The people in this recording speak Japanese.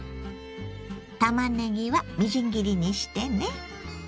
たまねぎはみじん切りにしてね。